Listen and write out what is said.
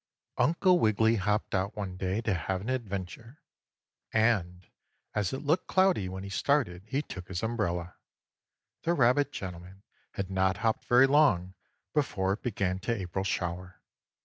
Uncle Wiggily hopped out one day to have an adventure, and, as it looked cloudy when he started he took his umbrella. The rabbit gentleman had not hopped very long before it began to April shower.